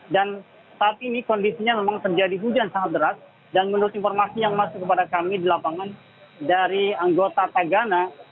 dan saat ini kondisinya memang terjadi hujan sangat deras dan menurut informasi yang masuk kepada kami di lapangan dari anggota tagana